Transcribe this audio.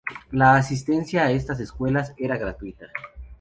La asistencia a estas escuelas era gratuita.